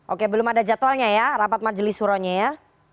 oke belum ada jadwalnya ya rapat majelis suronya ya